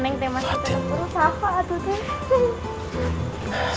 nenek masih tetep berusaha